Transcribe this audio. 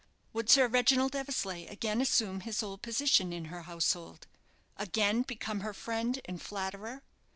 Would Sir Reginald Eversleigh again assume his old position in her household? again become her friend and flatterer?